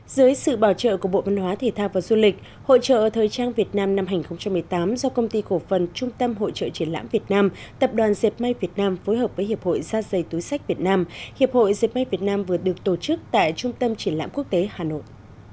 dưới sự bảo trợ của bộ văn hóa thể thao và du lịch hội trợ thời trang việt nam năm hai nghìn một mươi tám do công ty cổ phần trung tâm hội trợ triển lãm việt nam tập đoàn dệt may việt nam phối hợp với hiệp hội da dày túi sách việt nam hiệp hội diệt mây việt nam vừa được tổ chức tại trung tâm triển lãm quốc tế hà nội